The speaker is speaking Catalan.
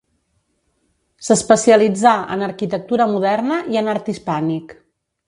S'especialitzà en arquitectura moderna i en art hispànic.